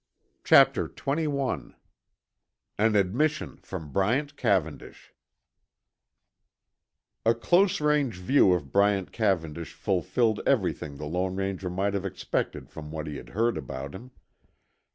Chapter XXI AN ADMISSION FROM BRYANT CAVENDISH A close range view of Bryant Cavendish fulfilled everything the Lone Ranger might have expected from what he had heard about him.